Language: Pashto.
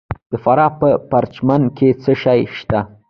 د فراه په پرچمن کې څه شی شته؟